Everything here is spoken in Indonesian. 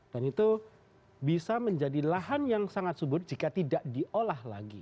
dan itu bisa menjadi lahan yang sangat subur jika tidak diolah lagi